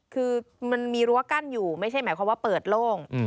คือมันมีรั้วกั้นอยู่ไม่ใช่หมายความว่าเปิดโล่ง